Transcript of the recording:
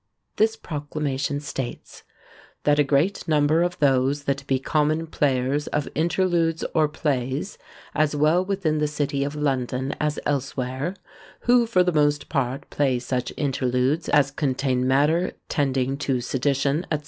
This proclamation states, "that a great number of those that be common players of interludes or plays, as well within the city of London as elsewhere, who for the most part play such interludes as contain matter tending to sedition, &c.